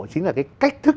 chính là cái cách thức